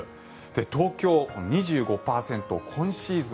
東京、２５％今シーズン